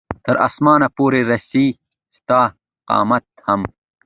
تر اسمانه پورې رسي ستا قامت هم